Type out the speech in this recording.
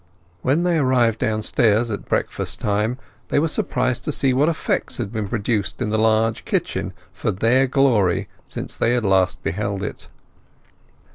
When they arrived downstairs at breakfast time they were surprised to see what effects had been produced in the large kitchen for their glory since they had last beheld it.